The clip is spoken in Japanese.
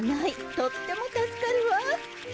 とっても助かるわ！